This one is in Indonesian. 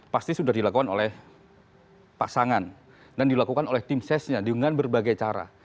pasti sudah dilakukan oleh pasangan dan dilakukan oleh tim sesnya dengan berbagai cara